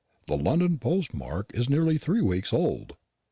The London postmark is nearly three weeks old."